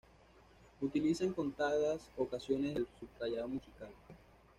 Utiliza en contadas ocasiones el subrayado musical.